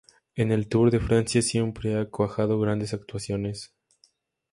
En el Tour de Francia siempre ha cuajado grandes actuaciones.